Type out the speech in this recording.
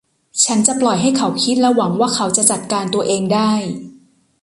ฉันจะปล่อยให้เขาคิดและหวังว่าเขาจะจัดการตัวเองได้